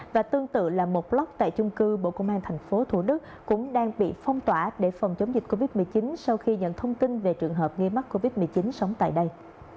và tương tự là một block tại chung cư bộ công an tp thủ đức cũng đang bị phong tỏa để phòng chống dịch covid một mươi chín sau khi nhận thông tin về trường hợp nghi mắc covid một mươi chín sống tại đây